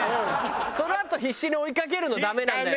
そのあと必死に追い掛けるのダメなんだよね。